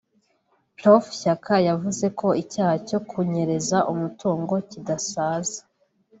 Prof Shyaka yavuze ko icyaha cyo kunyereza umutungo kidasaza